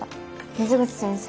水口先生